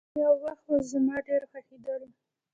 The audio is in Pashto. يو وخت وو، زما ډېر خوښيدلو.